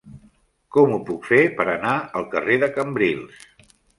Com ho puc fer per anar al carrer de Cambrils?